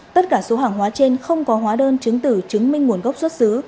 tất cả số hàng hóa trên không có hóa đơn chứng tử chứng minh nguồn gốc xuất xứ